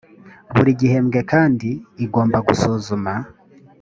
buri gihembwe kandi igomba gusuzuma